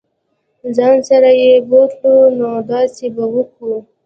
ځان سره یې بوتلو نو داسې به کوو.